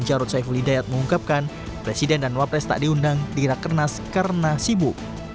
jarod saiful hidayat mengungkapkan presiden dan wapres tak diundang di rakernas karena sibuk